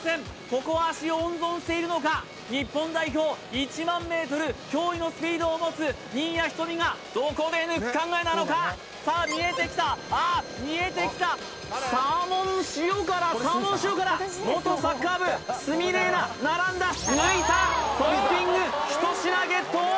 ここは足を温存しているのか日本代表１００００ｍ驚異のスピードを持つ新谷仁美がどこで抜く考えなのかさあ見えてきたああ見えてきたサーモン塩辛サーモン塩辛元サッカー部鷲見玲奈並んだ抜いたトッピング１品ゲット